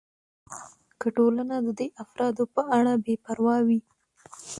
که ټولنه د دې افرادو په اړه بې پروا وي.